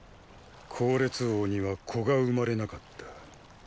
考烈王には子が生まれなかった。